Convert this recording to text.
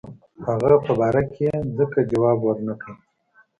هغه په باره کې ځکه جواب ورنه کړ.